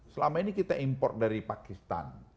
selama ini kita import dari pakistan